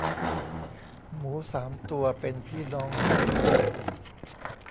หมูสามตัว เป็นพี่น้องกัน